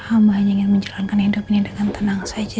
aku hanya ingin menjalankan hidup ini dengan tenang saja